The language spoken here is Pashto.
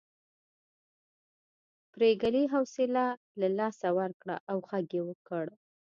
پريګلې حوصله له لاسه ورکړه او غږ یې کړ